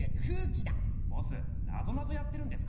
ボスなぞなぞやってるんですか？